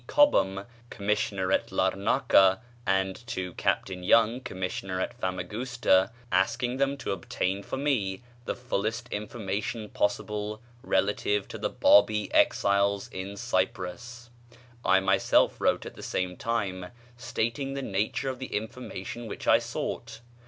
Cobham, Commissioner at Larnaca, and to Captain Young, Commissioner at Famagusta, asking them to obtain for me the fullest information possible relative to the Bábí exiles in Cyprus. I myself wrote at the same time, stating the nature of the information which I sought.